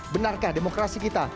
benarkah demokrasi kita